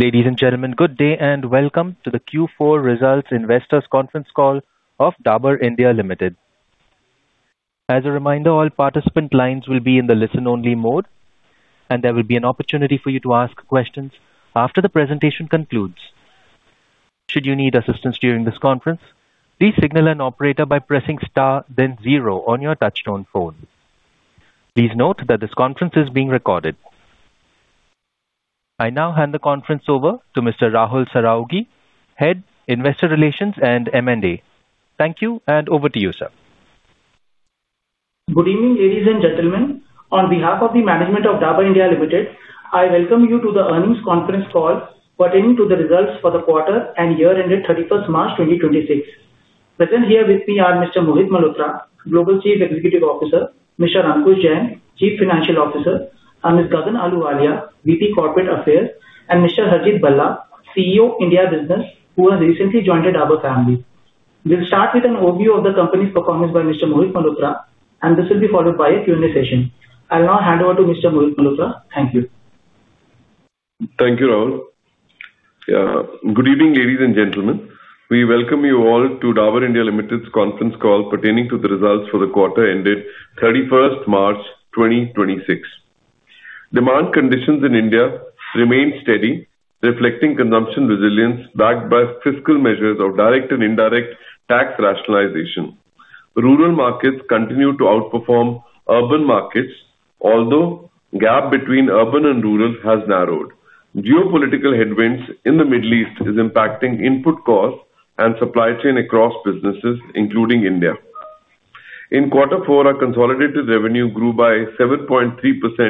Ladies and gentlemen, good day and welcome to the Q4 Results Investors Conference Call of Dabur India Limited. As a reminder, all participant lines will be in the listen only mode, and there will be an opportunity for you to ask questions after the presentation concludes. Should you need assistance during this conference, please signal an operator by pressing star then zero on your touchtone phone. Please note that this conference is being recorded. I now hand the conference over to Mr. Rahul Sarawagi, Head of Investor Relations and M&A. Thank you, and over to you, sir. Good evening, ladies and gentlemen. On behalf of the management of Dabur India Limited, I welcome you to the earnings conference call pertaining to the results for the quarter and year-ended 31st March 2026. Present here with me are Mr. Mohit Malhotra, Global Chief Executive Officer, Mr. Ankush Jain, Chief Financial Officer, and Ms. Gagan Ahluwalia, VP Corporate Affairs, and Mr. Herjit Bhalla, CEO India Business, who has recently joined the Dabur family. We'll start with an overview of the company's performance by Mr. Mohit Malhotra, and this will be followed by a Q&A session. I'll now hand over to Mr. Mohit Malhotra. Thank you. Thank you, Rahul. Good evening, ladies and gentlemen. We welcome you all to Dabur India Limited's conference call pertaining to the results for the quarter ended 31st March 2026. Demand conditions in India remain steady, reflecting consumption resilience backed by fiscal measures of direct and indirect tax rationalization. Rural markets continue to outperform urban markets, although gap between urban and rural has narrowed. Geopolitical headwinds in the Middle East is impacting input costs and supply chain across businesses, including India. In quarter four, our consolidated revenue grew by 7.3%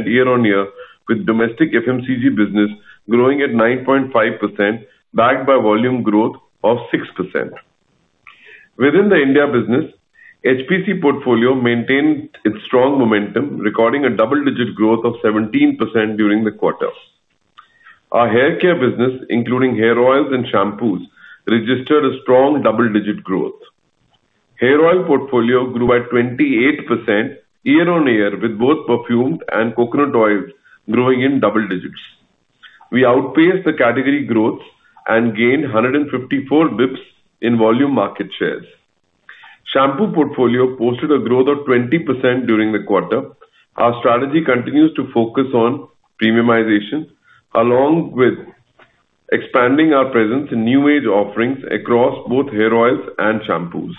year-on-year, with domestic FMCG business growing at 9.5%, backed by volume growth of 6%. Within the India business, HPC portfolio maintained its strong momentum, recording a double-digit growth of 17% during the quarter. Our haircare business, including hair oils and shampoos, registered a strong double-digit growth. Hair oil portfolio grew at 28% year-on-year, with both perfumed and coconut oils growing in double digits. We outpaced the category growth and gained 154 basis points in volume market shares. Shampoo portfolio posted a growth of 20% during the quarter. Our strategy continues to focus on premiumization along with expanding our presence in new age offerings across both hair oils and shampoos.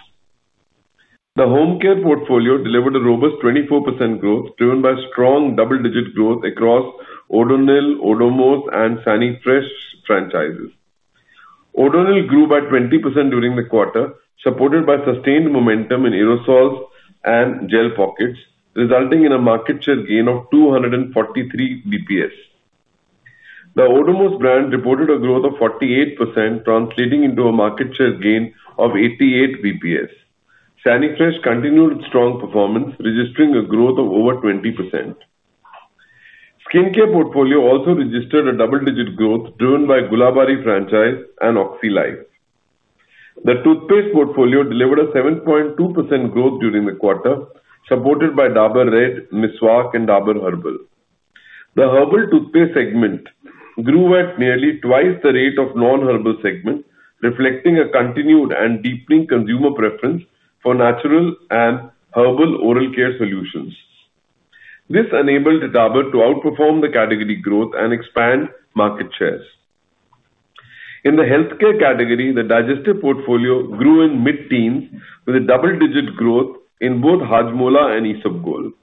The home care portfolio delivered a robust 24% growth, driven by strong double-digit growth across Odonil, Odomos, and Sanifresh franchises. Odonil grew by 20% during the quarter, supported by sustained momentum in aerosols and Gel Pocket, resulting in a market share gain of 243 basis points. The Odomos brand reported a growth of 48%, translating into a market share gain of 88 basis points. Sanifresh continued its strong performance, registering a growth of over 20%. Skincare portfolio also registered a double-digit growth driven by Gulabari franchise and Oxylife. The toothpaste portfolio delivered a 7.2% growth during the quarter, supported by Dabur Red, Meswak, and Dabur Herb'l. The herbal toothpaste segment grew at nearly twice the rate of non-herbal segment, reflecting a continued and deepening consumer preference for natural and herbal oral care solutions. This enabled Dabur to outperform the category growth and expand market shares. In the healthcare category, the digestive portfolio grew in mid-teens with a double-digit growth in both Hajmola and Isabgol.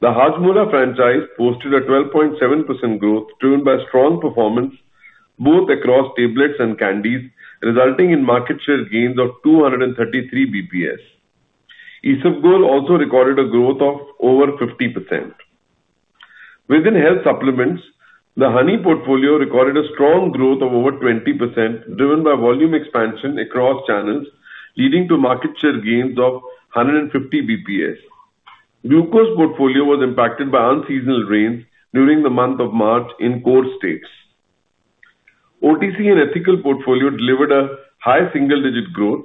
The Hajmola franchise posted a 12.7% growth driven by strong performance both across tablets and candies, resulting in market share gains of 233 basis points. Isabgol also recorded a growth of over 50%. Within health supplements, the honey portfolio recorded a strong growth of over 20%, driven by volume expansion across channels, leading to market share gains of 150 basis points. Glucose portfolio was impacted by unseasonal rains during the month of March in core states. OTC and ethical portfolio delivered a high single-digit growth.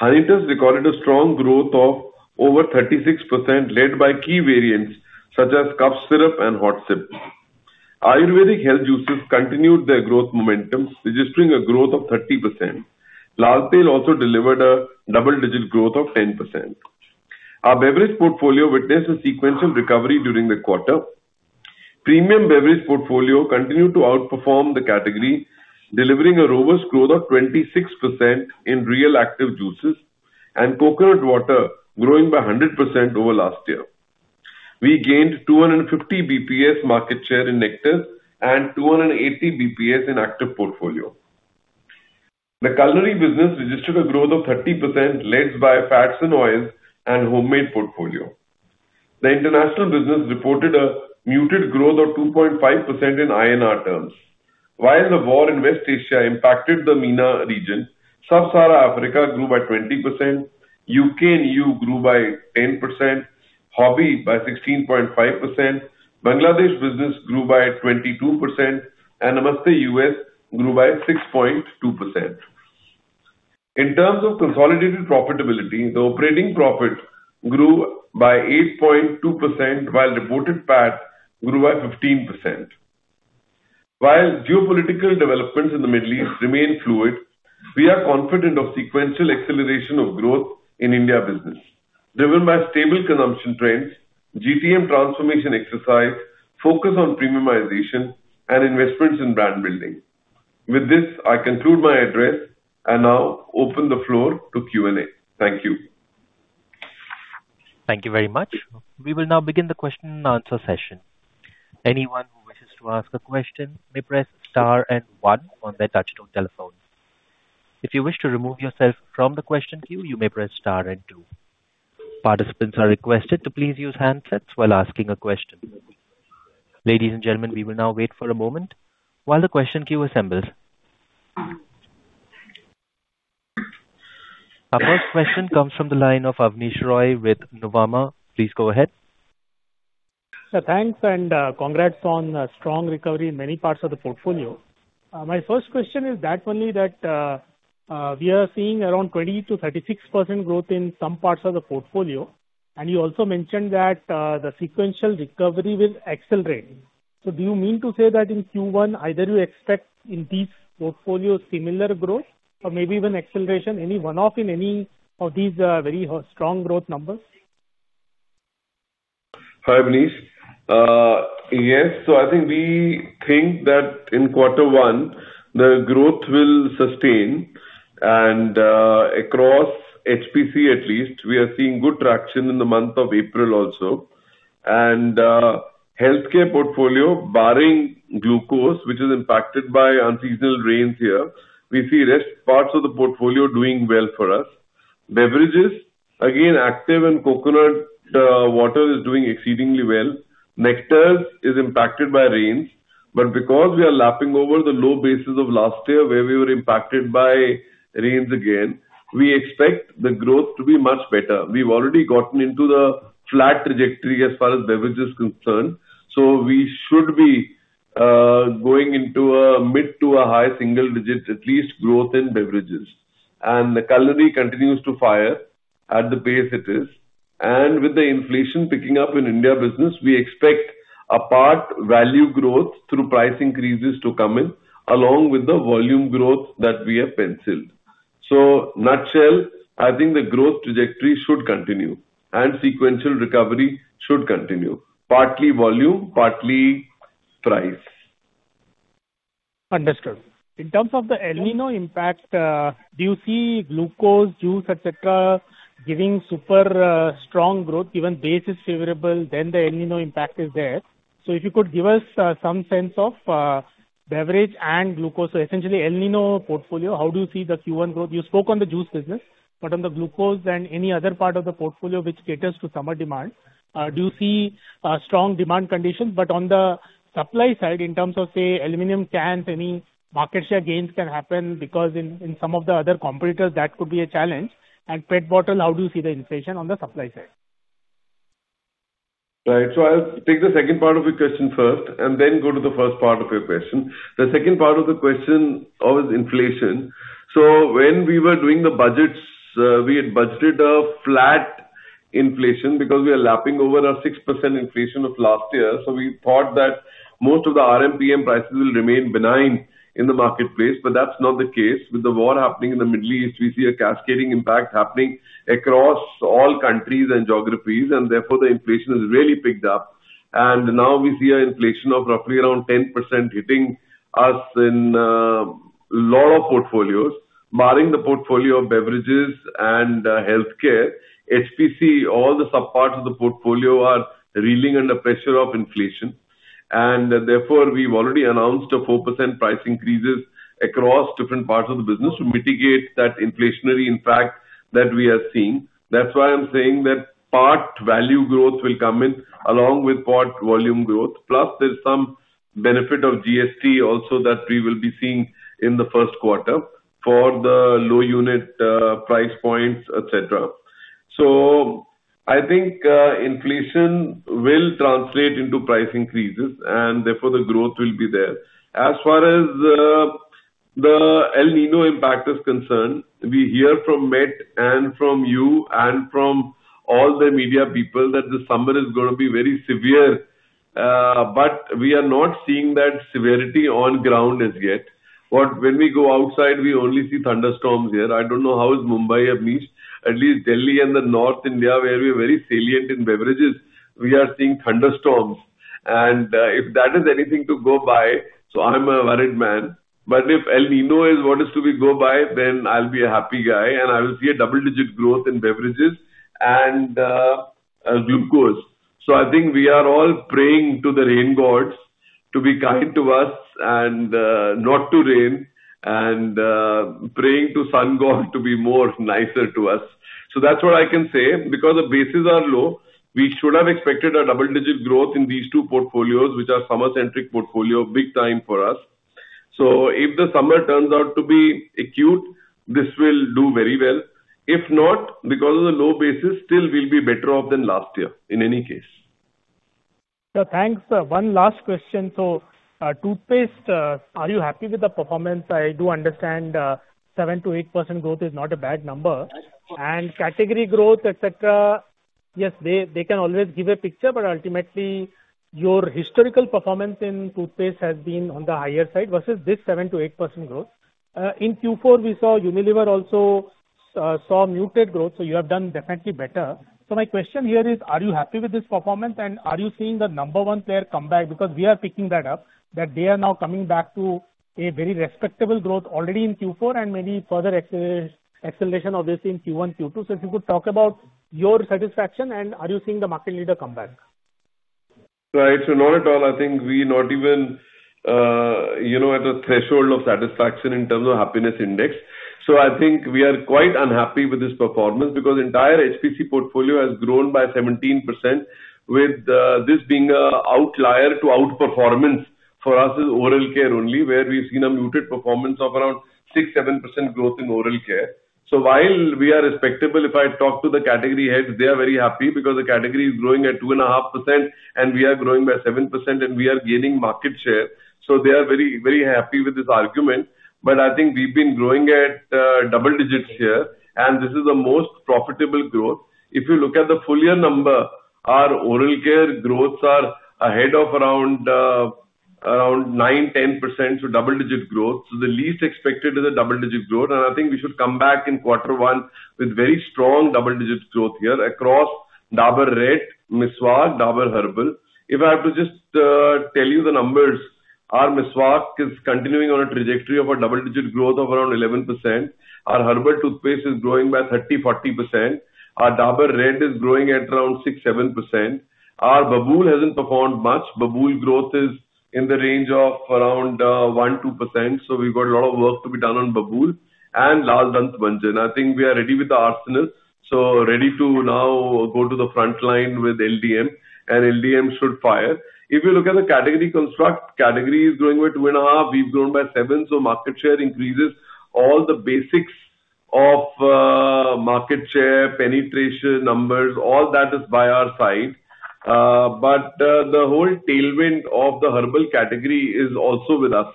Honitus recorded a strong growth of over 36%, led by key variants such as cough syrup and Hot Sip. Ayurvedic health juices continued their growth momentum, registering a growth of 30%. Lal Tail also delivered a double-digit growth of 10%. Our beverage portfolio witnessed a sequential recovery during the quarter. Premium beverage portfolio continued to outperform the category, delivering a robust growth of 26% in Réal Activ juices and coconut water growing by 100% over last year. We gained 250 basis points market share in Nectar and 280 basis points in Réal Activ portfolio. The culinary business registered a growth of 30% led by fats and oils and Hommade portfolio. The international business reported a muted growth of 2.5% in INR terms. While the war in West Asia impacted the MENA region, Sub-Saharan Africa grew by 20%, U.K. and EU grew by 10%, Hobi by 16.5%, Bangladesh business grew by 22%, and Namaste U.S. grew by 6.2%. In terms of consolidated profitability, the operating profit grew by 8.2%, while reported PAT grew by 15%. While geopolitical developments in the Middle East remain fluid, we are confident of sequential acceleration of growth in India business, driven by stable consumption trends, GTM transformation exercise, focus on premiumization and investments in brand building. With this, I conclude my address and now open the floor to Q&A. Thank you. Thank you very much. We will now begin the question and answer session. Anyone who wishes to ask a question may press star and one on their touch-tone telephone. If you wish to remove yourself from the question queue, you may press star and two. Participants are requested to please use handsets while asking a question. Ladies and gentlemen, we will now wait for a moment while the question queue assembles. Our first question comes from the line of Abneesh Roy with Nuvama. Please go ahead. Yeah, thanks, and congrats on a strong recovery in many parts of the portfolio. My first question is that only that, we are seeing around 20%-36% growth in some parts of the portfolio, and you also mentioned that, the sequential recovery will accelerate. Do you mean to say that in Q1, either you expect in these portfolios similar growth or maybe even acceleration, any one-off in any of these, very strong growth numbers? Hi, Abneesh. Yes. I think we think that in quarter one, the growth will sustain across HPC at least, we are seeing good traction in the month of April also. Healthcare portfolio, barring glucose, which is impacted by unseasonal rains here, we see rest parts of the portfolio doing well for us. Beverages, again, Réal Activ and coconut water is doing exceedingly well. Nectars is impacted by rains, because we are lapping over the low bases of last year where we were impacted by rains again, we expect the growth to be much better. We've already gotten into the flat trajectory as far as beverage is concerned, we should be going into a mid- to high single-digits at least growth in beverages. Culinary continues to fire at the pace it is. With the inflation picking up in India business, we expect a part value growth through price increases to come in, along with the volume growth that we have penciled. Nutshell, I think the growth trajectory should continue and sequential recovery should continue. Partly volume, partly price. Understood. In terms of the El Niño impact, do you see glucose, juice, et cetera, giving super strong growth? Base is favorable, the El Niño impact is there. If you could give us some sense of beverage and glucose. Essentially El Niño portfolio, how do you see the Q1 growth? You spoke on the juice business, but on the glucose and any other part of the portfolio which caters to summer demand, do you see strong demand conditions? On the supply side, in terms of, say, aluminum cans, any market share gains can happen because in some of the other competitors that could be a challenge. PET bottle, how do you see the inflation on the supply side? Right. I'll take the second part of your question first and then go to the first part of your question. The second part of the question of is inflation. When we were doing the budgets, we had budgeted a flat inflation because we are lapping over our 6% inflation of last year. We thought that most of the RMPM prices will remain benign in the marketplace. That's not the case. With the war happening in the Middle East, we see a cascading impact happening across all countries and geographies, and therefore the inflation has really picked up. Now we see an inflation of roughly around 10% hitting us in lot of portfolios. Barring the portfolio of beverages and healthcare, HPC, all the subparts of the portfolio are reeling under pressure of inflation. Therefore, we've already announced a 4% price increases across different parts of the business to mitigate that inflationary impact that we are seeing. That's why I'm saying that part value growth will come in along with part volume growth. Plus there's some benefit of GST also that we will be seeing in the first quarter for the low unit price points, et cetera. I think inflation will translate into price increases, and therefore the growth will be there. As far as the El Niño impact is concerned, we hear from Met and from you and from all the media people that the summer is gonna be very severe. We are not seeing that severity on ground as yet. When we go outside, we only see thunderstorms here. I don't know how is Mumbai, Abneesh. At least Delhi and North India, where we are very salient in beverages, we are seeing thunderstorms. If that is anything to go by, I'm a worried man. If El Niño is what is to be go by, then I'll be a happy guy, and I will see a double-digit growth in beverages and glucose. I think we are all praying to the rain gods to be kind to us and not to rain, and praying to sun god to be more nicer to us. That's what I can say. Because the bases are low, we should have expected a double-digit growth in these two portfolios, which are summer-centric portfolio, big time for us. If the summer turns out to be acute, this will do very well. If not, because of the low basis, still we'll be better off than last year in any case. Sir, thanks. One last question. Toothpaste, are you happy with the performance? I do understand, 7%-8% growth is not a bad number. Category growth, et cetera, yes, they can always give a picture, but ultimately, your historical performance in toothpaste has been on the higher side versus this 7%-8% growth. In Q4 we saw Unilever also saw muted growth, so you have done definitely better. My question here is, are you happy with this performance, and are you seeing the number one player come back? Because we are picking that up, that they are now coming back to a very respectable growth already in Q4 and maybe further acceleration obviously in Q1, Q2. If you could talk about your satisfaction, and are you seeing the market leader come back? Right. Not at all. I think we're not even, you know, at the threshold of satisfaction in terms of happiness index. I think we are quite unhappy with this performance because entire HPC portfolio has grown by 17%, with this being a outlier to outperformance for us is oral care only, where we've seen a muted performance of around 6%-7% growth in oral care. While we are respectable, if I talk to the category heads, they are very happy because the category is growing at 2.5% and we are growing by 7% and we are gaining market share. They are very, very happy with this argument. I think we've been growing at double digits here, and this is the most profitable growth. If you look at the full year number, our oral care growths are ahead of around 9%, 10%, so double-digit growth. The least expected is double-digit growth. I think we should come back in Q1 with very strong double-digit growth here across Dabur Red, Meswak, Dabur Herb'l. If I have to just tell you the numbers, our Meswak is continuing on a trajectory of a double-digit growth of around 11%. Our Herb'l Toothpaste is growing by 30%, 40%. Our Dabur Red is growing at around 6%, 7%. Our Babool hasn't performed much. Babool growth is in the range of around 1%, 2%, so we've got a lot of work to be done on Babool. Lal Dant Manjan, I think we are ready with the arsenal. Ready to now go to the front line with LDM. LDM should fire. If you look at the category construct, category is growing by 2.5%. We've grown by 7%. Market share increases. All the basics of market share, penetration numbers, all that is by our side. The whole tailwind of the herbal category is also with us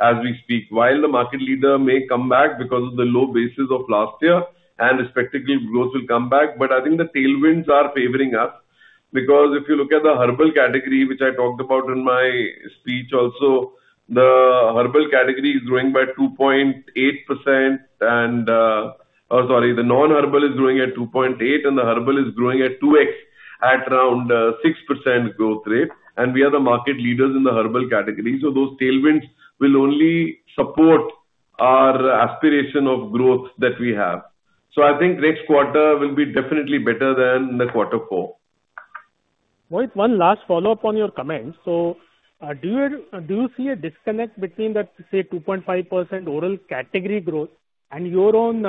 as we speak. While the market leader may come back because of the low basis of last year and respectively growth will come back, but I think the tailwinds are favoring us. Because if you look at the herbal category, which I talked about in my speech also, the herbal category is growing by 2.8% and, Oh, sorry, the non-herbal is growing at 2.8%, and the herbal is growing at 2x at around, 6% growth rate. We are the market leaders in the herbal category. Those tailwinds will only support our aspiration of growth that we have. I think next quarter will be definitely better than the quarter four. Mohit, one last follow-up on your comment. Do you see a disconnect between the, say, 2.5% oral category growth and your own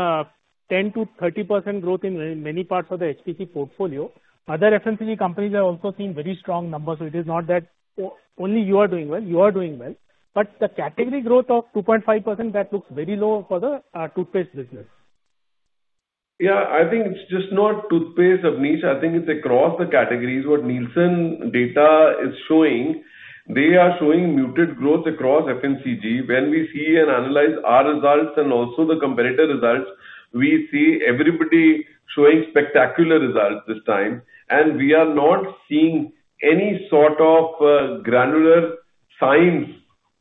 10%-30% growth in many parts of the HPC portfolio? Other FMCG companies have also seen very strong numbers, it is not that only you are doing well. You are doing well, the category growth of 2.5%, that looks very low for the toothpaste business. I think it's just not toothpaste, Abneesh. I think it's across the categories what Nielsen data is showing, they are showing muted growth across FMCG. When we see and analyze our results and also the competitor results, we see everybody showing spectacular results this time. We are not seeing any sort of granular signs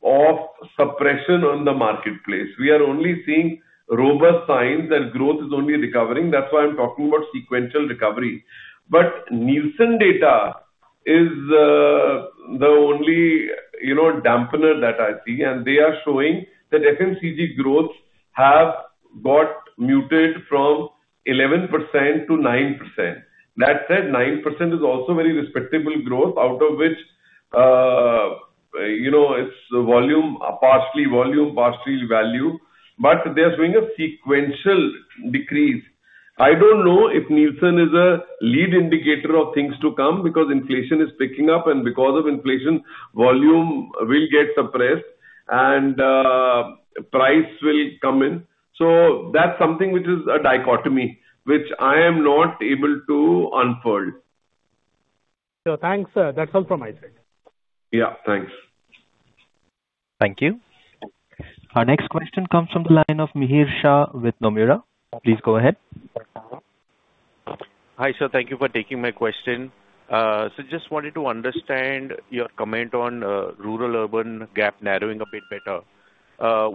of suppression on the marketplace. We are only seeing robust signs that growth is only recovering. That's why I'm talking about sequential recovery. Nielsen data is the only, you know, dampener that I see, and they are showing that FMCG growth have got muted from 11% to 9%. That said, 9% is also very respectable growth out of which, you know, it's volume, partially volume, partially value, but they are showing a sequential decrease. I don't know if Nielsen is a lead indicator of things to come because inflation is picking up, and because of inflation, volume will get suppressed and price will come in. That's something which is a dichotomy, which I am not able to unfold. Thanks. That's all from my side. Yeah, thanks. Thank you. Our next question comes from the line of Mihir Shah with Nomura. Please go ahead. Hi, sir. Thank you for taking my question. Just wanted to understand your comment on rural-urban gap narrowing a bit better.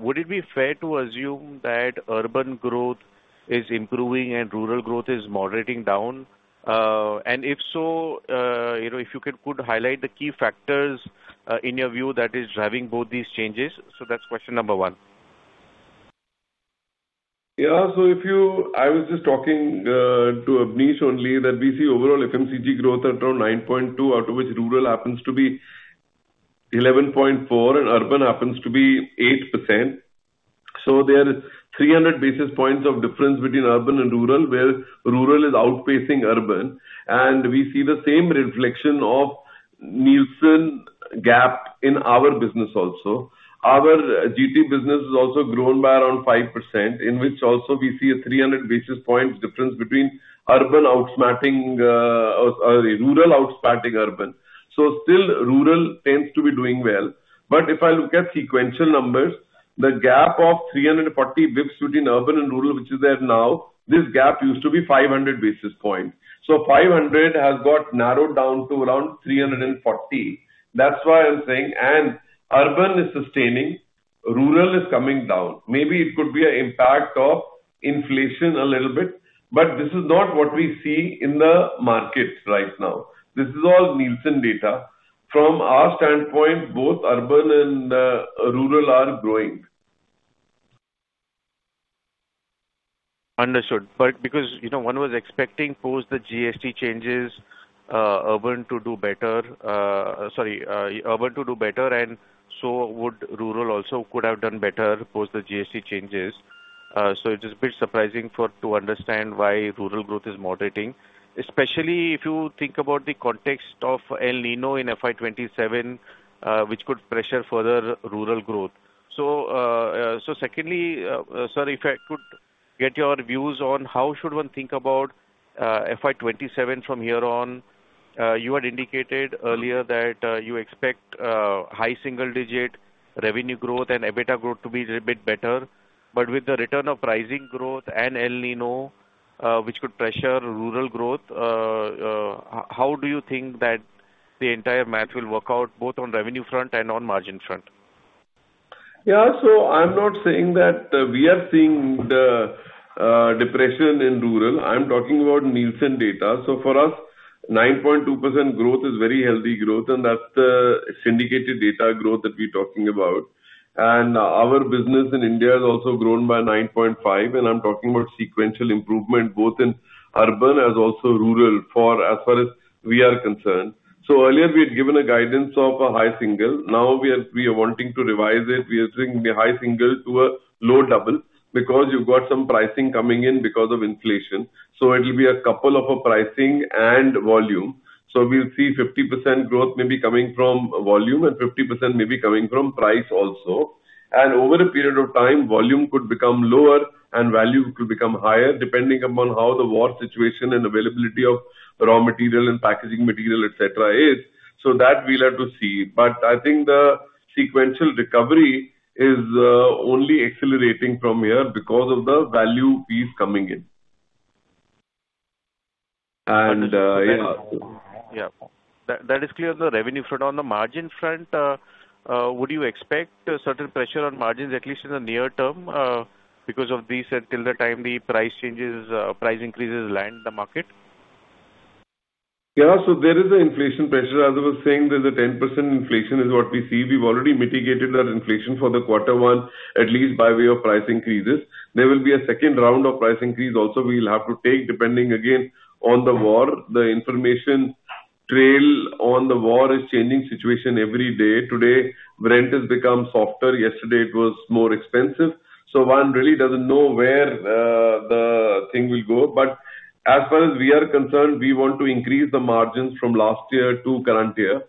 Would it be fair to assume that urban growth is improving and rural growth is moderating down? You know, if you could highlight the key factors in your view that is driving both these changes. That's question number one. If you I was just talking to Abneesh only that we see overall FMCG growth at around 9.2%, out of which rural happens to be 11.4%, and urban happens to be 8%. There is 300 basis points of difference between urban and rural, where rural is outpacing urban. We see the same reflection of Nielsen-gap in our business also. Our GT business has also grown by around 5%, in which also we see a 300 basis points difference between urban outsmarting, rural outsmarting urban. Still rural tends to be doing well. If I look at sequential numbers, the gap of 340 basis points between urban and rural, which is there now, this gap used to be 500 basis points. 500 basis points has got narrowed down to around 340 basis points. That's why I'm saying. Urban is sustaining, rural is coming down. Maybe it could be an impact of inflation a little bit, but this is not what we see in the markets right now. This is all Nielsen data. From our standpoint, both urban and rural are growing. Understood. Because, you know, one was expecting post the GST changes, urban to do better. Sorry, urban to do better, would rural also could have done better post the GST changes. It is a bit surprising for to understand why rural growth is moderating, especially if you think about the context of El Niño in FY 2027, which could pressure further rural growth. Secondly, sir, if I could get your views on how should one think about FY 2027 from here on. You had indicated earlier that you expect high single digit revenue growth and EBITDA growth to be a bit better. With the return of pricing growth and El Niño, which could pressure rural growth, how do you think that the entire math will work out both on revenue front and on margin front? I'm not saying that we are seeing the depression in rural. I'm talking about Nielsen data. For us, 9.2% growth is very healthy growth, and that's the syndicated data growth that we're talking about. Our business in India has also grown by 9.5%, and I'm talking about sequential improvement both in urban as also rural for as far as we are concerned. Earlier we had given a guidance of a high single. Now we are wanting to revise it. We are seeing the high single to a low double because you've got some pricing coming in because of inflation. It'll be a couple of pricing and volume. We'll see 50% growth may be coming from volume and 50% may be coming from price also. Over a period of time, volume could become lower and value could become higher, depending upon how the war situation and availability of raw material and packaging material, et cetera, is. That we'll have to see. I think the sequential recovery is only accelerating from here because of the value piece coming in. Yeah, that is clear on the revenue front. On the margin front, would you expect a certain pressure on margins at least in the near term, because of these until the time the price increases land the market? Yeah. There is an inflation pressure. As I was saying, there's a 10% inflation is what we see. We've already mitigated that inflation for the quarter one, at least by way of price increases. There will be a second round of price increase also we'll have to take, depending again on the war. The information trail on the war is changing situation every day. Today rent has become softer. Yesterday it was more expensive. One really doesn't know where the thing will go. As far as we are concerned, we want to increase the margins from last year to current year,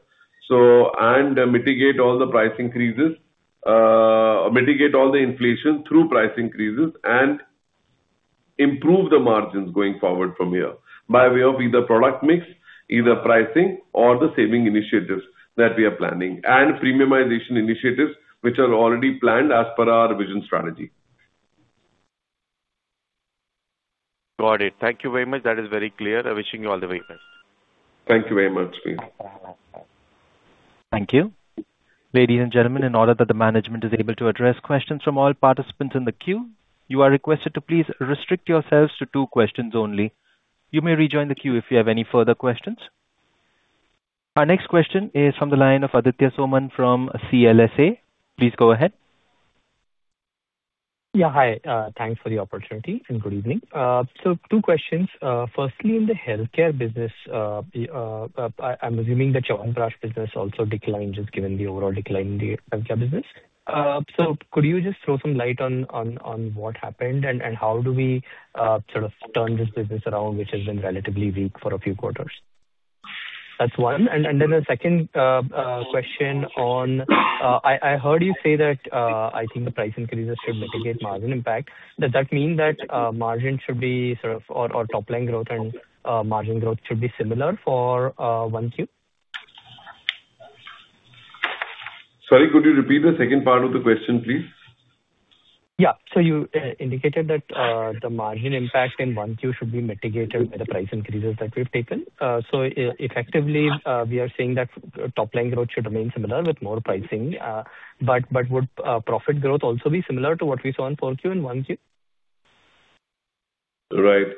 so and mitigate all the price increases, mitigate all the inflation through price increases and improve the margins going forward from here by way of either product mix, either pricing or the saving initiatives that we are planning, and premiumization initiatives which are already planned as per our vision strategy. Got it. Thank you very much. That is very clear. Wishing you all the very best. Thank you very much. Thank you. Ladies and gentlemen, in order that the management is able to address questions from all participants in the queue, you are requested to please restrict yourselves to two questions only. You may rejoin the queue if you have any further questions. Our next question is from the line of Aditya Soman from CLSA. Please go ahead. Yeah. Hi. Thanks for the opportunity and good evening. Two questions. Firstly, in the healthcare business, I'm assuming the Chyawanprash business also declined just given the overall decline in the healthcare business. Could you just throw some light on what happened and how do we sort of turn this business around, which has been relatively weak for a few quarters? That's one. The second question on I heard you say that I think the price increases should mitigate margin impact. Does that mean that margin should be sort of or top line growth and margin growth should be similar for 1 Q? Sorry, could you repeat the second part of the question, please? You indicated that the margin impact in 1 Q should be mitigated by the price increases that we've taken. Effectively, we are saying that top line growth should remain similar with more pricing. Would profit growth also be similar to what we saw in 4Q and 1Q? Right.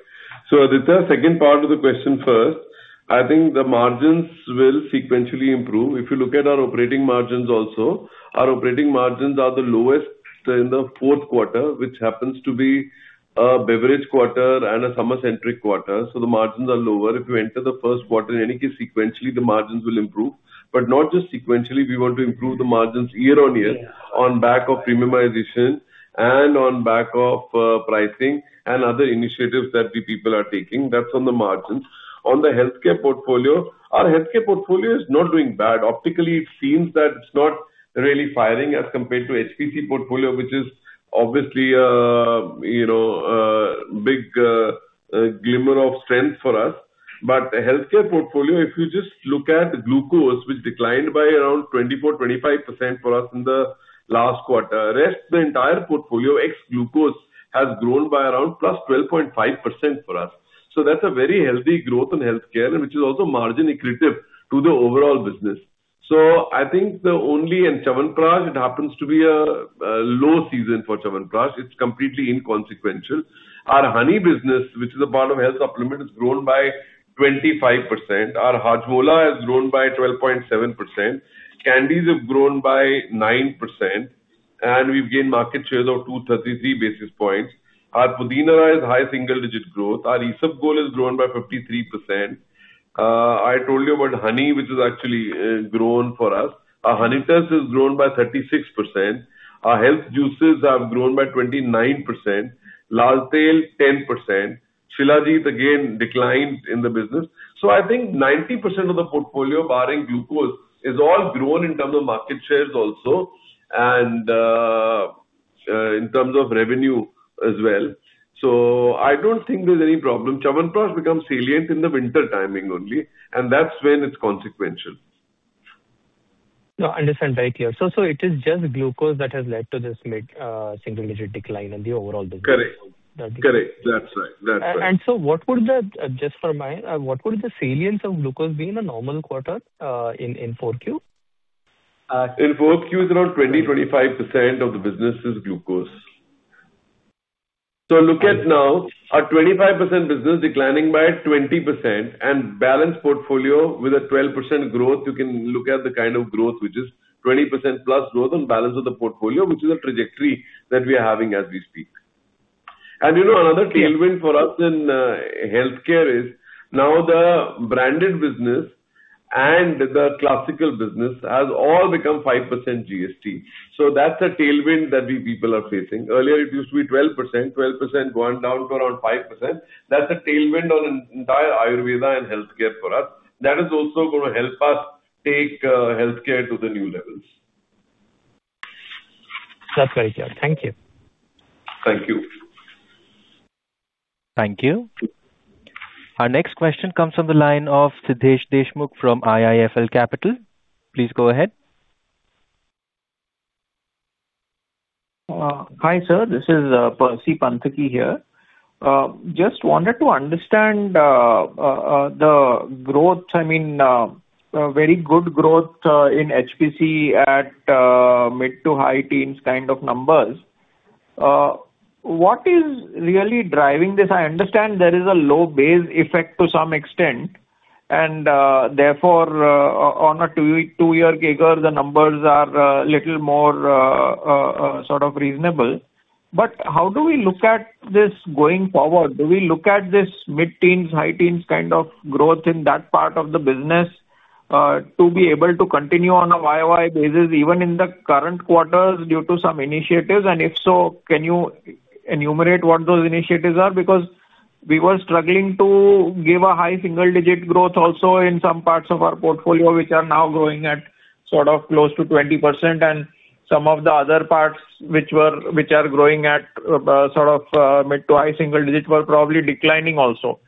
Aditya, second part of the question first. I think the margins will sequentially improve. If you look at our operating margins also, our operating margins are the lowest in the fourth quarter, which happens to be a beverage quarter and a summer centric quarter. The margins are lower. If you enter the first quarter, in any case, sequentially the margins will improve. Not just sequentially, we want to improve the margins year-on-year on back of premiumization and on back of pricing and other initiatives that the people are taking. That's on the margins. On the healthcare portfolio, our healthcare portfolio is not doing bad. Optically, it seems that it's not really firing as compared to HPC portfolio, which is obviously, you know, a big glimmer of strength for us. The healthcare portfolio, if you just look at glucose, which declined by around 24%-25% for us in the last quarter. Rest, the entire portfolio, ex-glucose, has grown by around +12.5% for us. That's a very healthy growth in healthcare, and which is also margin accretive to the overall business. Chyawanprash, it happens to be a low season for Chyawanprash. It's completely inconsequential. Our honey business, which is a part of health supplement, has grown by 25%. Our Hajmola has grown by 12.7%. Candies have grown by 9%, and we've gained market shares of 233 basis points. Our Pudin Hara has high single-digit growth. Our Isabgol has grown by 53%. I told you about honey, which has actually grown for us. Our Honitus has grown by 36%. Our health juices have grown by 29%. Lal Tail, 10%. Shilajit, again, declined in the business. I think 90% of the portfolio, barring glucose, is all grown in terms of market shares also, and in terms of revenue as well. I don't think there's any problem. Chyawanprash becomes salient in the winter timing only, and that's when it's consequential. No, understand. Very clear. It is just glucose that has led to this mid-single-digit decline in the overall business. Correct. that decline. Correct. That's right. That's right. What would the just for my what would the salience of glucose be in a normal quarter in 4Q? In 4Q is around 20%-25% of the business is glucose. Look at now, our 25% business declining by 20% and balance portfolio with a 12% growth. You can look at the kind of growth, which is 20%+ growth on balance of the portfolio, which is a trajectory that we are having as we speak. You know, another tailwind for us in healthcare is now the branded business and the classical business has all become 5% GST. That's a tailwind that people are facing. Earlier it used to be 12%. 12% gone down to around 5%. That's a tailwind on entire Ayurveda and healthcare for us. That is also gonna help us take healthcare to the new levels. That's very clear. Thank you. Thank you. Thank you. Our next question comes from the line of Siddhesh Deshmukh from IIFL Capital. Please go ahead. Hi sir. This is Percy Panthaki here. Just wanted to understand, I mean, very good growth in HPC at mid to high teens kind of numbers. What is really driving this? I understand there is a low base effect to some extent, and therefore, on a two-year figure, the numbers are little more sort of reasonable. How do we look at this going forward? Do we look at this mid-teens, high teens kind of growth in that part of the business to be able to continue on a YoY basis even in the current quarters due to some initiatives? If so, can you enumerate what those initiatives are? Because we were struggling to give a high single-digit growth also in some parts of our portfolio, which are now growing at sort of close to 20%. Some of the other parts which were, which are growing at, sort of, mid to high single-digit were probably declining also.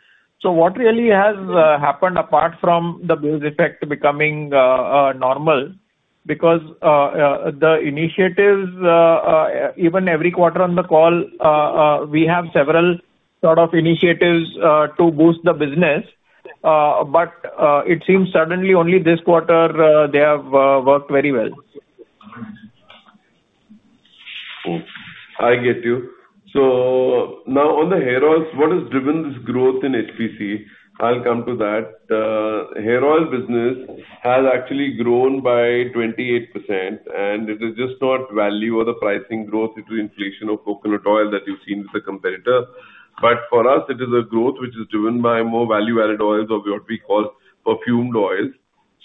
What really has happened apart from the base effect becoming normal? Because the initiatives, even every quarter on the call, we have several sort of initiatives to boost the business. It seems suddenly only this quarter, they have worked very well. I get you. Now on the hair oils, what has driven this growth in HPC? I'll come to that. Hair oil business has actually grown by 28%, and it is just not value or the pricing growth due to inflation of coconut oil that you've seen with the competitor. For us it is a growth which is driven by more value-added oils or what we call perfumed oils.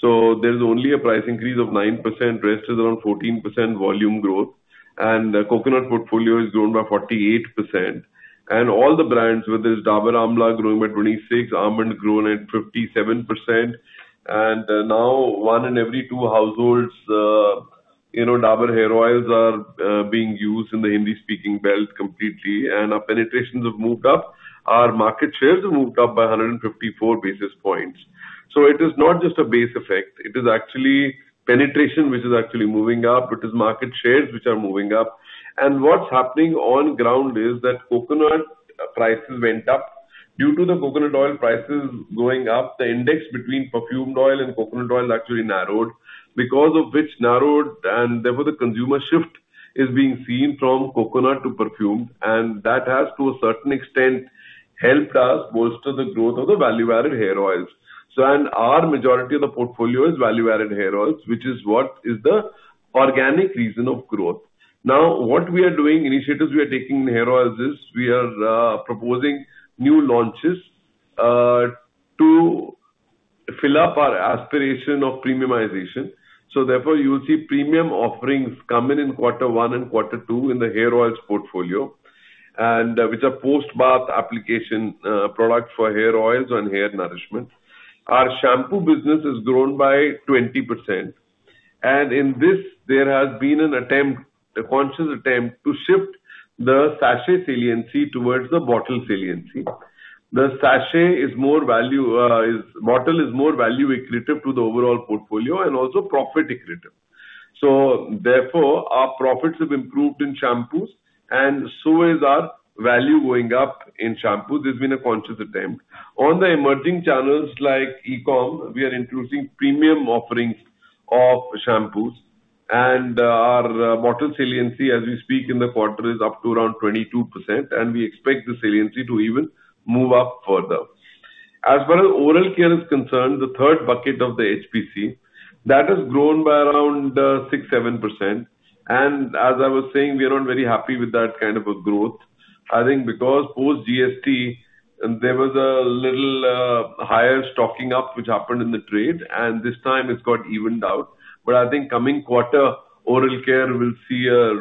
There's only a price increase of 9%. Rest is around 14% volume growth. Coconut portfolio has grown by 48%. All the brands, whether it's Dabur Amla growing by 26%, Dabur Almond grown at 57%. Now one in every two households, you know, Dabur Hair Oils are being used in the Hindi-speaking belt completely, and our penetrations have moved up. Our market shares have moved up by 154 basis points. It is not just a base effect, it is actually penetration which is actually moving up. It is market shares which are moving up. What's happening on ground is that coconut prices went up. Due to the coconut oil prices going up, the index between perfumed oil and coconut oil actually narrowed. Because of which narrowed, therefore the consumer shift is being seen from coconut to perfumed, and that has to a certain extent helped us bolster the growth of the value-added hair oils. Our majority of the portfolio is value-added hair oils, which is what is the organic reason of growth. Now, what we are doing, initiatives we are taking in hair oils is we are proposing new launches to fill up our aspiration of premiumization. Therefore, you will see premium offerings coming in quarter one and quarter two in the hair oils portfolio, and which are post-bath application product for hair oils and hair nourishment. Our shampoo business has grown by 20%, and in this there has been an attempt, a conscious attempt to shift the sachet saliency towards the bottle saliency. The bottle is more value accretive to the overall portfolio and also profit accretive. Therefore, our profits have improved in shampoos, and so is our value going up in shampoos. There's been a conscious attempt. On the emerging channels like e-commerce, we are introducing premium offerings of shampoos, and our bottle saliency as we speak in the quarter is up to around 22%, and we expect the saliency to even move up further. As far as oral care is concerned, the third bucket of the HPC, that has grown by around 6%, 7%. As I was saying, we are not very happy with that kind of a growth. I think because post-GST, there was a little higher stocking up which happened in the trade, and this time it's got evened out. I think coming quarter, oral care will see a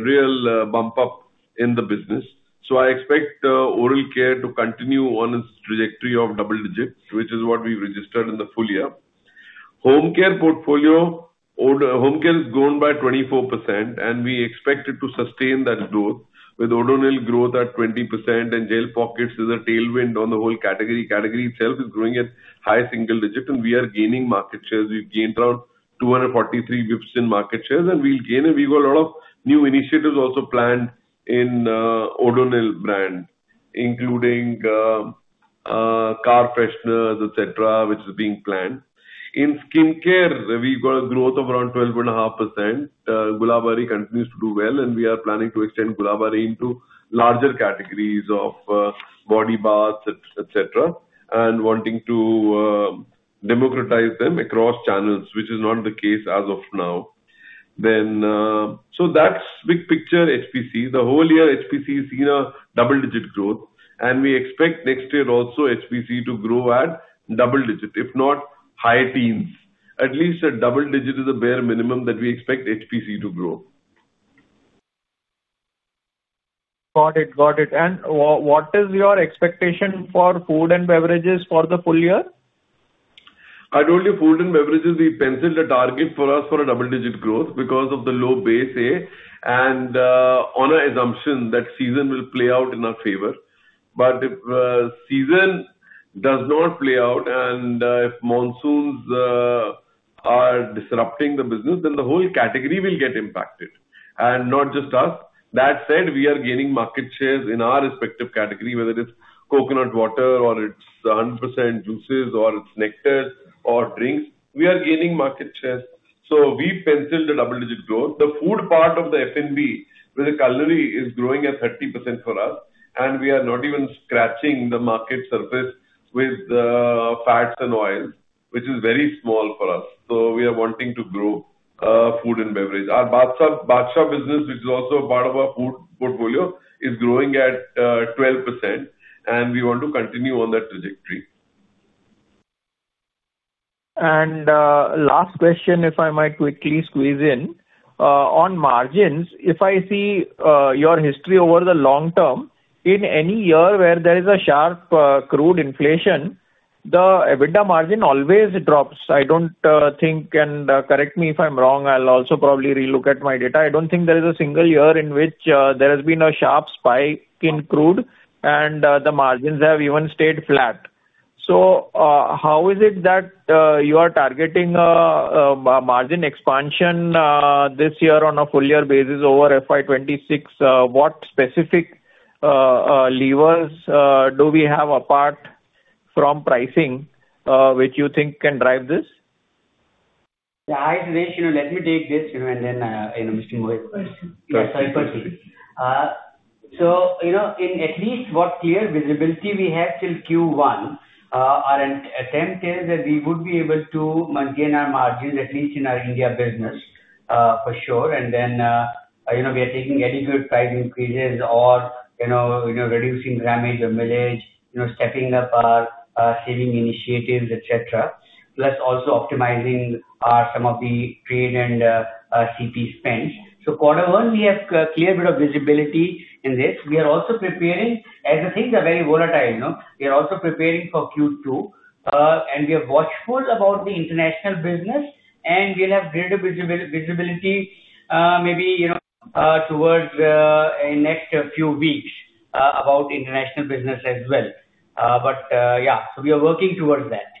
real bump up in the business. I expect oral care to continue on its trajectory of double digits, which is what we registered in the full year. Home Care portfolio, Home Care has grown by 24%, and we expect it to sustain that growth with Odonil growth at 20%, and Gel Pockets is a tailwind on the whole category. Category itself is growing at high single digits, and we are gaining market shares. We've gained around 243 basis points in market shares, and we've got a lot of new initiatives also planned in Odonil brand, including car fresheners, et cetera, which is being planned. In skincare, we've got a growth of around 12.5%. Gulabari continues to do well, and we are planning to extend Gulabari into larger categories of body baths, et cetera, and wanting to democratize them across channels, which is not the case as of now. That's big picture HPC. The whole year HPC has seen a double-digit growth, and we expect next year also HPC to grow at double-digit. If not high teens, at least a double digit is a bare minimum that we expect HPC to grow. Got it. Got it. What is your expectation for food and beverages for the full year? I told you food and beverages, we penciled a target for us for a double-digit growth because of the low base, A, and on an assumption that season will play out in our favor. If season does not play out and if monsoons are disrupting the business, then the whole category will get impacted, and not just us. That said, we are gaining market shares in our respective category, whether it's coconut water or it's a 100% juices or it's nectars or drinks. We are gaining market shares. We've penciled a double-digit growth. The food part of the F&B with culinary is growing at 30% for us, and we are not even scratching the market surface with fats and oils, which is very small for us. We are wanting to grow food and beverage. Our Badshah business, which is also part of our food portfolio, is growing at 12%, and we want to continue on that trajectory. Last question, if I might quickly squeeze in. On margins, if I see your history over the long term, in any year where there is a sharp crude inflation, the EBITDA margin always drops. I don't think, and correct me if I'm wrong, I'll also probably relook at my data. I don't think there is a single year in which there has been a sharp spike in crude and the margins have even stayed flat. How is it that you are targeting margin expansion this year on a full year basis over FY 2026? What specific levers do we have apart from pricing, which you think can drive this? Yeah. Hi, Siddhesh, you know, let me take this, you know, and then, you know, Mr. Mohit. Sure, sure. Sorry, Percy. You know, in at least what clear visibility we have till Q1, our attempt is that we would be able to maintain our margins, at least in our India business, for sure. Then, you know, we are taking adequate price increases or, you know, reducing grammage or millage, stepping up our saving initiatives, et cetera. Plus also optimizing some of the trade and CP spends. Quarter one, we have clear bit of visibility in this. We are also preparing as the things are very volatile, you know, we are also preparing for Q2. We are watchful about the international business, and we'll have greater visibility, maybe, you know, towards next few weeks, about international business as well. Yeah, we are working towards that.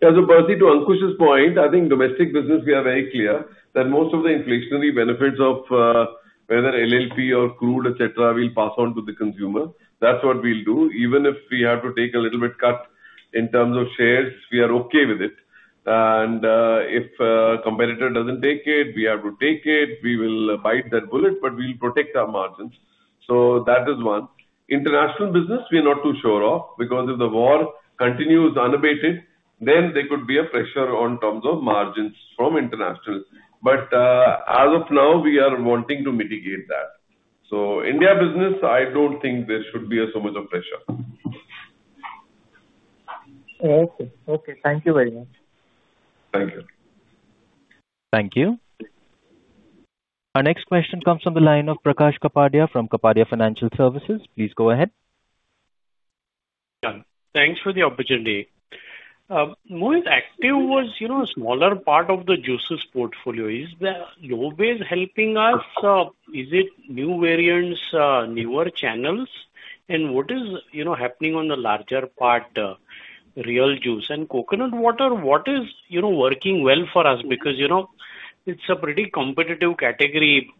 Yeah. Percy, to Ankush's point, I think domestic business we are very clear that most of the inflationary benefits of whether LLP or crude, etc., we'll pass on to the consumer. That's what we'll do. Even if we have to take a little bit cut in terms of shares, we are okay with it. If a competitor doesn't take it, we have to take it, we will bite that bullet, but we'll protect our margins. That is one. International business we are not too sure of, because if the war continues unabated, then there could be a pressure on terms of margins from international. As of now, we are wanting to mitigate that. India business, I don't think there should be so much of pressure. Okay. Okay. Thank you very much. Thank you. Thank you. Our next question comes from the line of Prakash Kapadia from Kapadia Financial Services. Please go ahead. Yeah. Thanks for the opportunity. Mohit, Réal Activ was, you know, smaller part of the juices portfolio. Is the low base helping us? Is it new variants, newer channels? What is, you know, happening on the larger part, Réal juice and coconut water? What is, you know, working well for us? Because, you know, it's a pretty competitive category.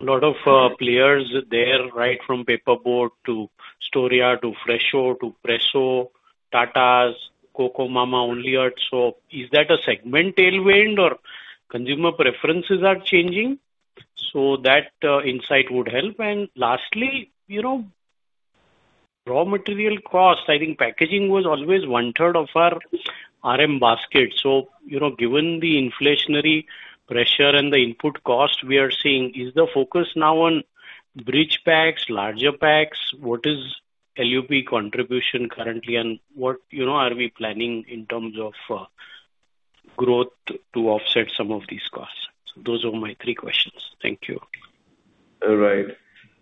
A lot of players there, right from Paper Boat to Storia to Fresho to Presso, Tata's Coco Mama, Only Earth. Is that a segment tailwind or consumer preferences are changing? That insight would help. Lastly, you know, raw material costs, I think packaging was always one-third of our RM basket. Given the inflationary pressure and the input cost we are seeing, is the focus now on bridge packs, larger packs? What is LUP contribution currently, and what, you know, are we planning in terms of growth to offset some of these costs? Those are my three questions. Thank you. All right.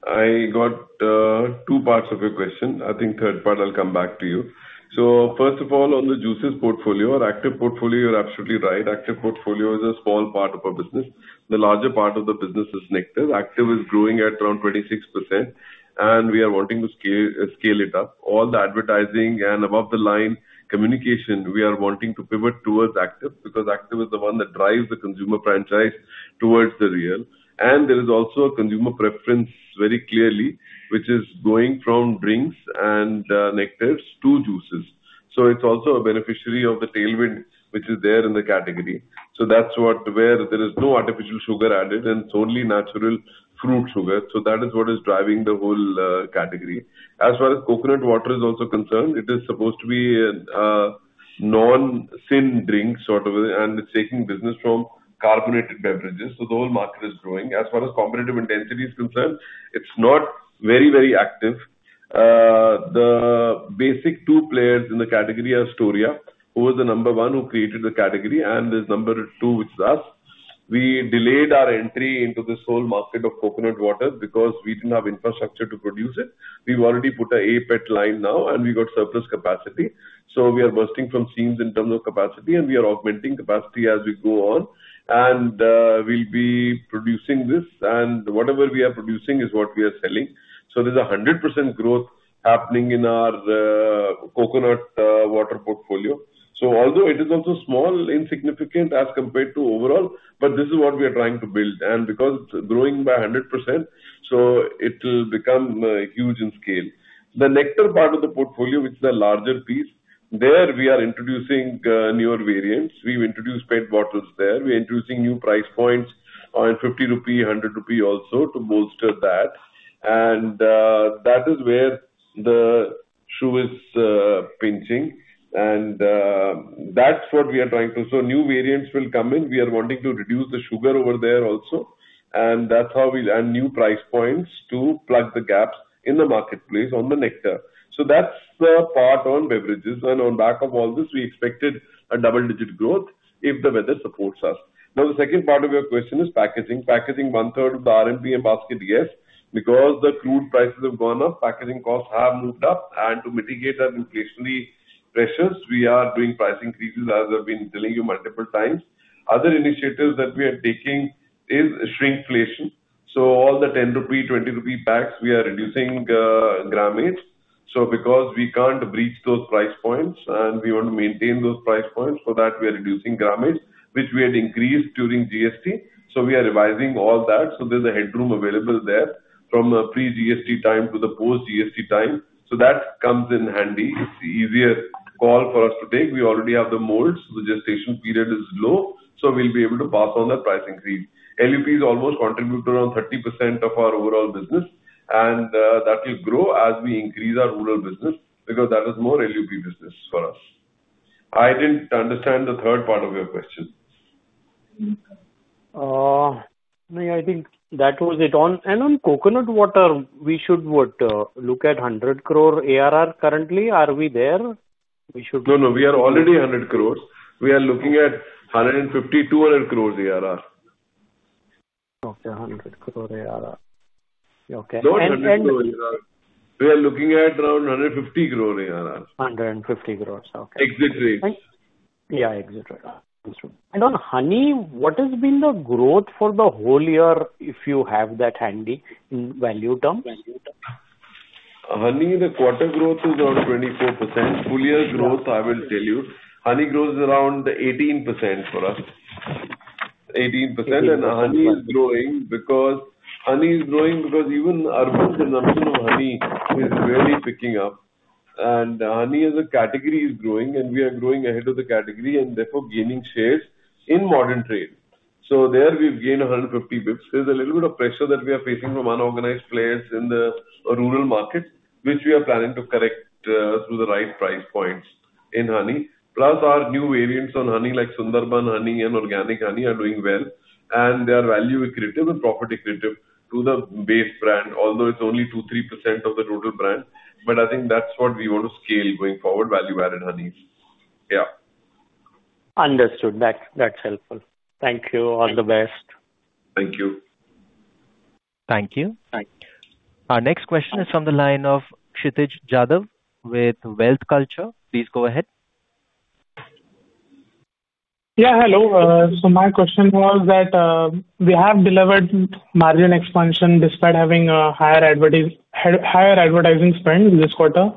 I got two parts of your question. I think third part I'll come back to you. First of all, on the juices portfolio or Activ portfolio, you're absolutely right. Activ portfolio is a small part of our business. The larger part of the business is Nectar. Activ is growing at around 26%, and we are wanting to scale it up. All the advertising and above-the-line communication, we are wanting to pivot towards Activ, because Activ is the one that drives the consumer franchise towards Réal. There is also a consumer preference very clearly, which is going from drinks and Nectars to juices. It's also a beneficiary of the tailwind which is there in the category. Where there is no artificial sugar added, and it's only natural fruit sugar. That is what is driving the whole category. As far as coconut water is also concerned, it is supposed to be a non-sin drink, sort of, and it's taking business from carbonated beverages. The whole market is growing. As far as competitive intensity is concerned, it's not very, very active. The basic two players in the category are Storia, who was the number one, who created the category, and there's number two, which is us. We delayed our entry into this whole market of coconut water because we didn't have infrastructure to produce it. We've already put an APET line now. We got surplus capacity. We are bursting from seams in terms of capacity. We are augmenting capacity as we go on. We'll be producing this. Whatever we are producing is what we are selling. There's a 100% growth happening in our coconut water portfolio. Although it is also small, insignificant as compared to overall, but this is what we are trying to build. Because it's growing by 100%, it'll become huge in scale. The Nectar part of the portfolio, which is the larger piece, there we are introducing newer variants. We've introduced PET bottles there. We're introducing new price points on 50 rupee, 100 rupee also to bolster that. That is where the shoe is pinching. That's what we are trying to. New variants will come in. We are wanting to reduce the sugar over there also, and that's how we'll add new price points to plug the gaps in the marketplace on the Nectar. That's the part on beverages. On back of all this, we expected a double-digit growth if the weather supports us. The second part of your question is packaging. Packaging, one-third of the RMPM basket, yes. The crude prices have gone up, packaging costs have moved up. To mitigate that inflationary pressures, we are doing price increases, as I've been telling you multiple times. Other initiatives that we are taking is shrinkflation. All the 10 rupee, 20 rupee packs, we are reducing grammage. Because we can't breach those price points and we want to maintain those price points, for that we are reducing grammage, which we had increased during GST. We are revising all that. There's a headroom available there from a pre-GST time to the post-GST time. That comes in handy. It's easier call for us to take. We already have the molds. The gestation period is low. We'll be able to pass on that price increase. LUPs almost contribute around 30% of our overall business. That will grow as we increase our rural business because that is more LUP business for us. I didn't understand the third part of your question. No, I think that was it. On coconut water, we should what? Look at 100 crore ARR currently. Are we there? No, no, we are already 100 crore. We are looking at 150 crore- 200 crore ARR. Okay, 100 crore ARR. Okay. Not 100 crore ARR. We are looking at around 150 crore ARR. 150 crore, okay. Exit rates. Yeah, exit rates. Understood. On honey, what has been the growth for the whole year, if you have that handy, in value terms? Honey, the quarter growth is around 24%. Full year growth, I will tell you. Honey growth is around 18% for us. 18%. Honey is growing because even urban consumption of honey is really picking up. Honey as a category is growing, and we are growing ahead of the category and therefore gaining shares in modern trade. There we've gained 150 basis points. There's a little bit of pressure that we are facing from unorganized players in the rural markets, which we are planning to correct through the right price points in honey. Plus our new variants on honey, like Sundarbans Honey and organic honey, are doing well, and they are value accretive and profit accretive to the base brand, although it's only 2%, 3% of the total brand. I think that's what we want to scale going forward, value-added honeys. Yeah. Understood. That's helpful. Thank you. All the best. Thank you. Thank you. Thank you. Our next question is from the line of Kshitij Jadhav with WealthCulture. Please go ahead. Hello. My question was that we have delivered margin expansion despite having a higher advertising spend this quarter.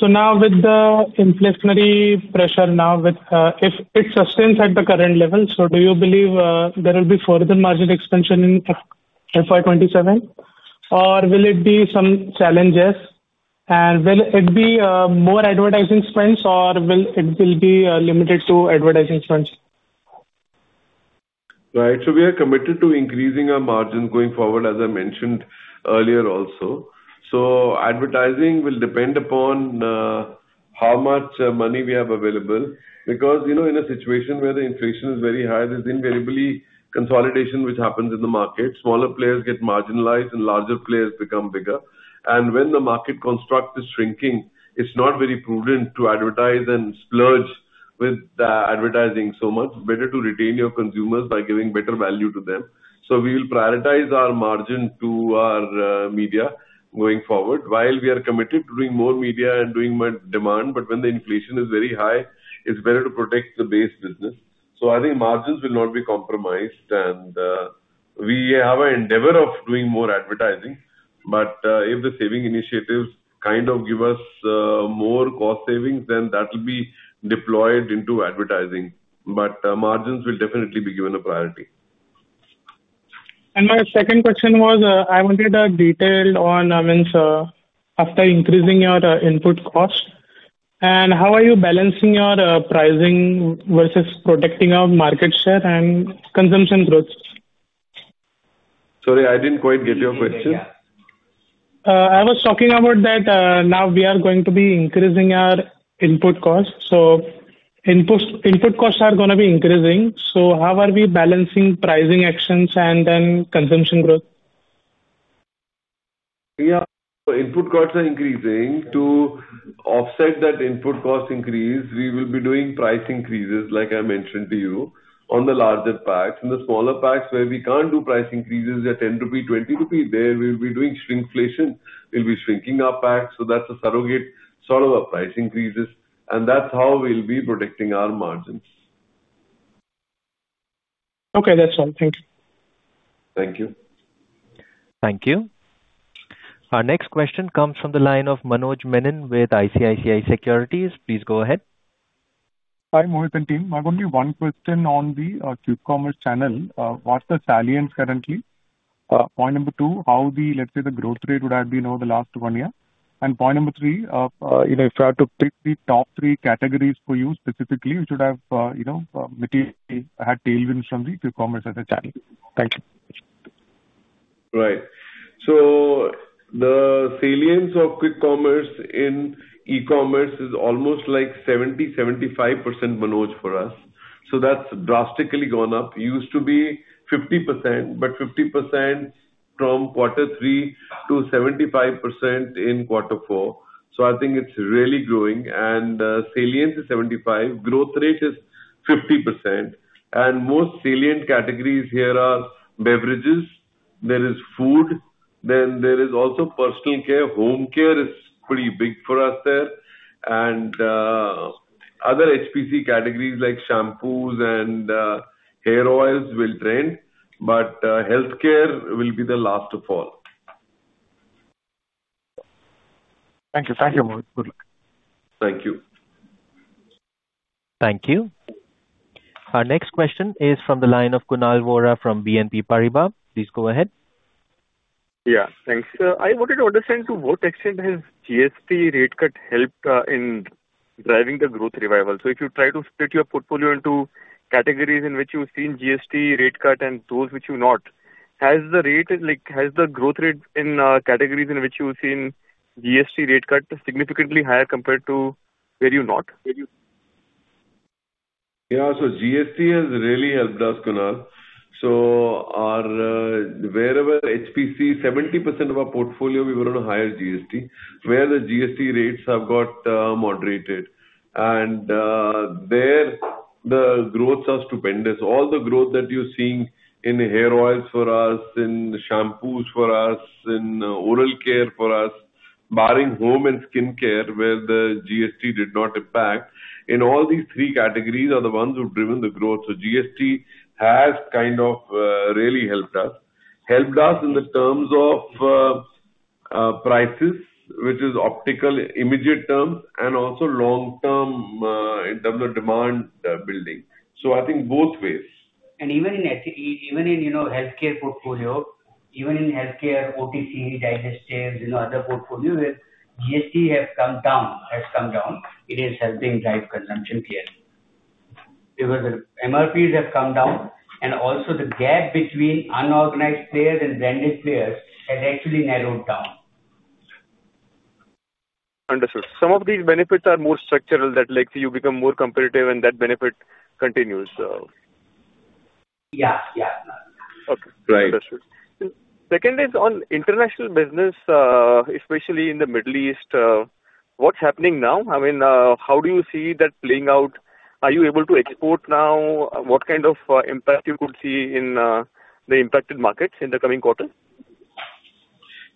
Now with the inflationary pressure now with if it sustains at the current level, do you believe there will be further margin expansion in FY 2027? Will it be some challenges? Will it be more advertising spends or will it be limited to advertising spends? Right. We are committed to increasing our margin going forward, as I mentioned earlier also. Advertising will depend upon how much money we have available because, you know, in a situation where the inflation is very high, there's invariably consolidation which happens in the market. Smaller players get marginalized and larger players become bigger. When the market construct is shrinking, it's not very prudent to advertise and splurge with advertising so much. Better to retain your consumers by giving better value to them. We will prioritize our margin to our media going forward while we are committed to doing more media and doing demand. When the inflation is very high, it's better to protect the base business. I think margins will not be compromised. We have an endeavor of doing more advertising. If the saving initiatives kind of give us more cost savings, that will be deployed into advertising. Margins will definitely be given a priority. My second question was, I wanted a detail on, I mean, so after increasing your input cost, and how are you balancing your pricing versus protecting your market share and consumption growth? Sorry, I didn't quite get your question. I was talking about that, now we are going to be increasing our input costs. Input costs are gonna be increasing. How are we balancing pricing actions and then consumption growth? Yeah. Input costs are increasing. To offset that input cost increase, we will be doing price increases, like I mentioned to you, on the larger packs. In the smaller packs where we can't do price increases at 10 rupees, 20 rupees, there we'll be doing shrinkflation. We'll be shrinking our packs, so that's a surrogate sort of a price increases, and that's how we'll be protecting our margins. Okay, that's all. Thank you. Thank you. Thank you. Our next question comes from the line of Manoj Menon with ICICI Securities. Please go ahead. Hi, Mohit and team. I've only one question on the quick commerce channel. What's the salience currently? Point number two, how the, let's say, the growth rate would have been over the last one year? Point number three, you know, if you had to pick the top three categories for you specifically, which would have, you know, material had tailwinds from the quick commerce as a channel. Thank you. Right. The salience of quick commerce in e-commerce is almost like 70%-75%, Manoj, for us. That's drastically gone up. Used to be 50%, but 50% from quarter three to 75% in quarter four. I think it's really growing. Salience is 75%. Growth rate is 50%. Most salient categories here are beverages. There is food. There is also personal care. Home Care is pretty big for us there. Other HPC categories like shampoos and hair oils will trend, but healthcare will be the last of all. Thank you. Thank you, Mohit. Good luck. Thank you. Thank you. Our next question is from the line of Kunal Vora from BNP Paribas. Please go ahead. Yeah. Thanks. I wanted to understand to what extent has GST rate cut helped in driving the growth revival. If you try to split your portfolio into categories in which you've seen GST rate cut and those which you've not, has the growth rate in categories in which you've seen GST rate cut significantly higher compared to where you've not? GST has really helped us, Kunal. Our, wherever HPC, 70% of our portfolio we were on a higher GST, where the GST rates have got moderated. There the growths are stupendous. All the growth that you're seeing in hair oils for us, in shampoos for us, in oral care for us, barring home and skincare, where the GST did not impact, in all these three categories are the ones who've driven the growth. GST has kind of really helped us. Helped us in the terms of prices, which is optical, immediate term and also long-term, in terms of demand building. I think both ways. Even in, you know, healthcare portfolio, even in healthcare, OTC, digestives, you know, other portfolio where GST has come down, it is helping drive consumption clearly. The MRPs have come down, and also the gap between unorganized players and branded players has actually narrowed down. Understood. Some of these benefits are more structural that like you become more competitive and that benefit continues. Yeah, yeah. Okay. Understood. Right. Second is on international business, especially in the Middle East, what's happening now? I mean, how do you see that playing out? Are you able to export now? What kind of impact you could see in the impacted markets in the coming quarter?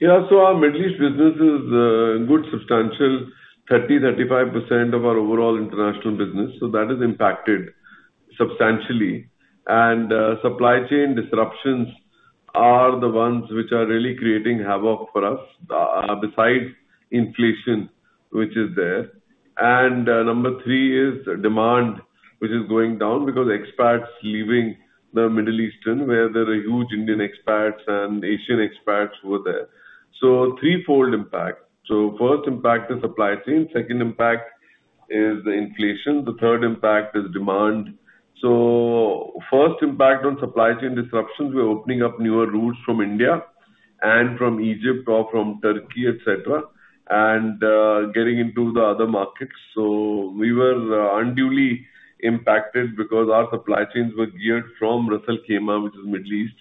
Yeah. Our Middle East business is a good substantial 30%-35% of our overall international business, so that is impacted substantially. Supply chain disruptions are the ones which are really creating havoc for us besides inflation, which is there. Number three is demand, which is going down because expats leaving the Middle East where there are huge Indian expats and Asian expats who are there. Threefold impact. First impact is supply chain. Second impact is the inflation. The third impact is demand. First impact on supply chain disruptions, we're opening up newer routes from India and from Egypt or from Turkey, et cetera, and getting into the other markets. We were unduly impacted because our supply chains were geared from Ras Al Khaimah, which is Middle East,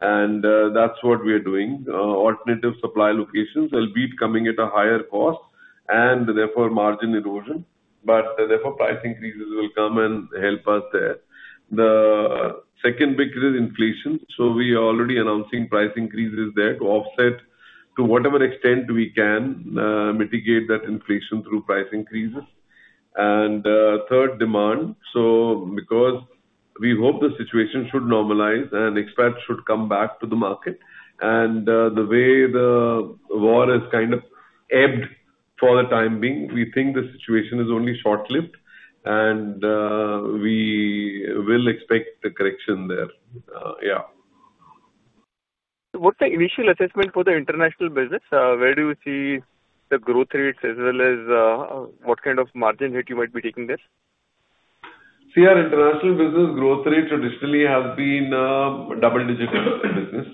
and that's what we are doing. Alternative supply locations, albeit coming at a higher cost and therefore margin erosion. Therefore price increases will come and help us there. The second big risk is inflation, we are already announcing price increases there to offset to whatever extent we can mitigate that inflation through price increases. Third, demand. Because we hope the situation should normalize and expats should come back to the market. The way the war has kind of ebbed for the time being, we think the situation is only short-lived and we will expect a correction there. What's the initial assessment for the international business? Where do you see the growth rates as well as, what kind of margin hit you might be taking there? See, our international business growth rate traditionally have been double-digit in business.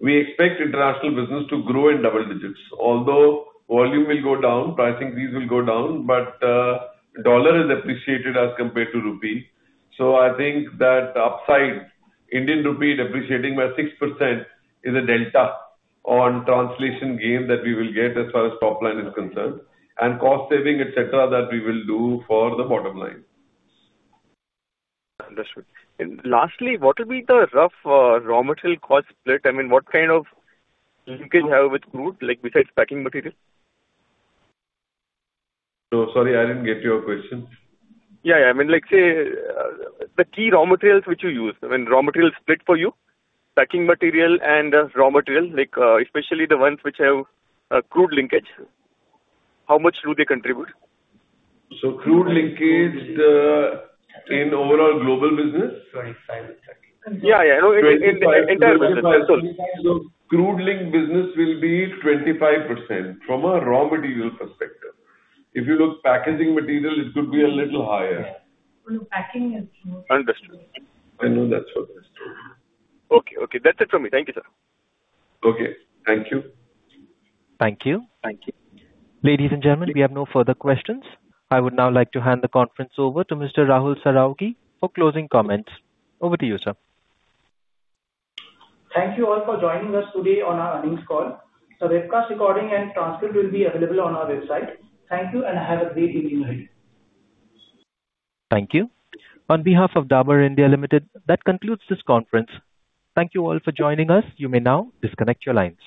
We expect international business to grow in double digits. Although volume will go down, pricing fees will go down. Dollar is appreciated as compared to rupee. I think that upside Indian rupee depreciating by 6% is a delta on translation gain that we will get as far as top line is concerned, and cost saving, et cetera, that we will do for the bottom line. Understood. Lastly, what will be the rough raw material cost split? I mean, what kind of linkage you have with crude, like besides packing material? Sorry, I didn't get your question. Yeah. I mean, like, say, the key raw materials which you use when raw material split for you, packing material and, raw material, like, especially the ones which have a crude linkage. How much do they contribute? Crude linkage in overall global business? 25%-30%. Yeah, yeah. No, in the entire business. That's all. Crude linked business will be 25% from a raw material perspective. If you look packaging material, it could be a little higher. Yeah. No, Understood. I know that's what they store. Okay. Okay. That's it from me. Thank you, sir. Okay. Thank you. Thank you. Thank you. Ladies and gentlemen, we have no further questions. I would now like to hand the conference over to Mr. Rahul Sarawagi for closing comments. Over to you, sir. Thank you all for joining us today on our earnings call. The webcast recording and transcript will be available on our website. Thank you, and have a great evening ahead. Thank you. On behalf of Dabur India Limited, that concludes this conference. Thank you all for joining us. You may now disconnect your lines.